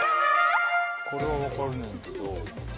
これは分かるねんけど。